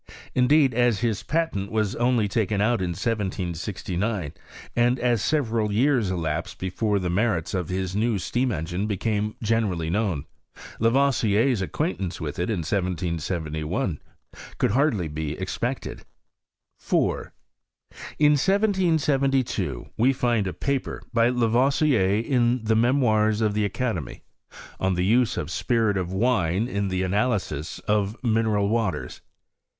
Indeed as his patent was only taken out in 1769, and as several years elapsed before the merits of his new steam engine became generally known, Lavoisier's acquaintance with it in 1771 could hardly be expected. 4. In 1772 we find a paper, by Lavoisier, in the Memoirs of the Academy, " On the Use of Spirit of Wine in the analysis of Mineral Waters."